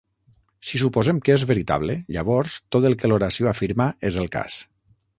Si suposem que és veritable, llavors tot el que l'oració afirma és el cas.